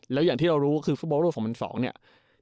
แล้วอย่างที่เรารู้คือฟุตบอลโลก๒๐๐๒เนี่ย